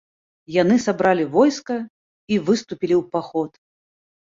Яны сабралі войска і выступілі ў паход.